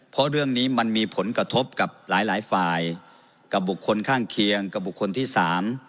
เพราะเรื่องนี้มันมีผลกระทบกับหลายหลายฝ่ายกับบุคคลข้างเคียงกับบุคคลที่สาม